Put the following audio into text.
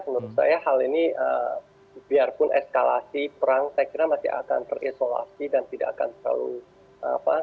menurut saya hal ini biarpun eskalasi perang saya kira masih akan terisolasi dan tidak akan terlalu apa